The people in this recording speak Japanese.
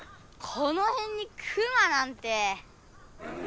このへんにクマなんて。